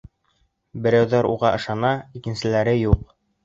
Берәүҙәре уға ышана, икенселәре юҡ.